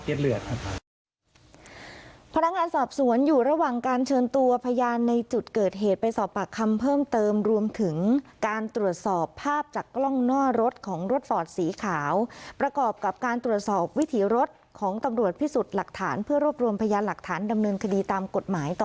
เพราะว่าเลือดอย่างต้องการโดยเฉพาะเตือบเลือดครับ